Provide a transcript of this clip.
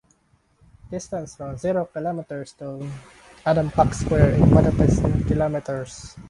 Distance from Zero Kilometre Stone (Adam Clark Square) in Budapest in kilometres.